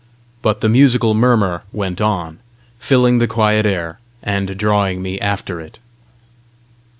But the musical murmur went on, filling the quiet air, and drawing me after it.